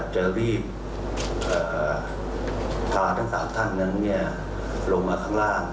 จะรีบพาทั้ง๓ท่านนั้นลงมาข้างล่าง